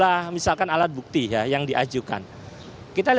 hati hati sekarang justru cita rasa termohonnya ada pada pihak terkait